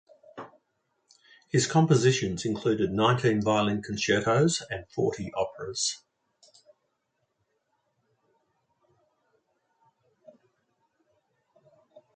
His compositions include nineteen violin concertos and forty operas.